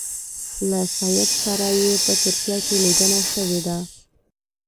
له سید سره یې په ترکیه کې لیدنه شوې ده.